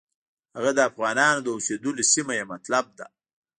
هغه د افغانانو د اوسېدلو سیمه یې مطلب ده.